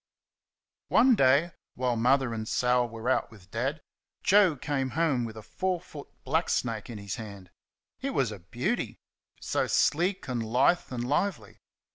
One day, while Mother and Sal were out with Dad, Joe came home with a four foot black snake in his hand. It was a beauty. So sleek and lithe and lively!